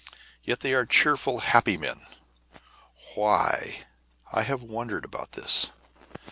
Yet they are cheerful, happy men. Why? I have wondered about this.